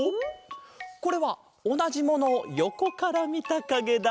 これはおなじものをよこからみたかげだ！